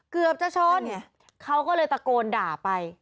เกือบจะชนเขาก็เลยตะโกนด่าไป